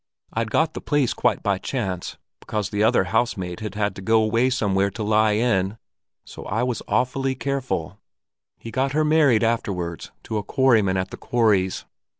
I'd got the place quite by chance, because the other housemaid had had to go away somewhere to lie in; so I was awfully careful. He got her married afterwards to a quarryman at the quarries."